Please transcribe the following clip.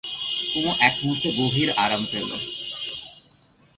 কুমু এক মুহূর্তে গভীর আরাম পেল।